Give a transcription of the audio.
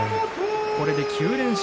これで９連勝。